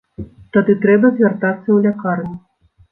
Тады трэба звяртацца ў лякарню.